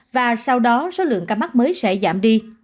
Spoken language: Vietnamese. và sau đó số lượng ca mắc mới sẽ giảm đi